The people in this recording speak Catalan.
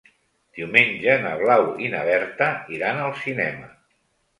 Diumenge na Blau i na Berta iran al cinema.